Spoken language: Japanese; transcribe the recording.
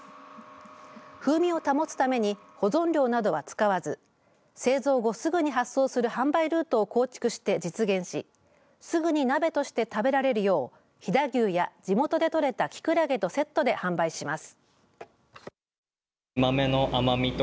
風味を保つために保存料などは使わず製造後すぐに発送する販売ルートを構築して実現しすぐに鍋として食べられるよう飛騨牛や地元で採れたキクラゲとセットで販売します。